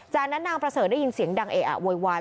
จากนั้นนางประเสริฐได้ยินเสียงดังเออะโวยวาย